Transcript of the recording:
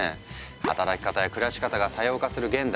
働き方や暮らし方が多様化する現代。